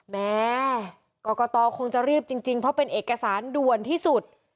แม้กรกตคงจะรีบจริงเพราะเป็นเอกสารด่วนที่สุด